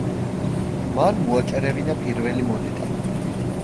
მან მოაჭრევინა პირველი მონეტა.